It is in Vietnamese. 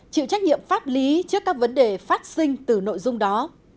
chịu trách nhiệm pháp lý trước các vấn đề phát sinh từ nội dung đó